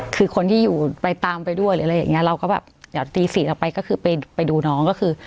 คือคนที่อยู่ไปตามไปด้วยหรืออะไรอย่างเงี้ยเราก็แบบเดี๋ยวตีสี่ออกไปก็คือไปดูน้องก็คือ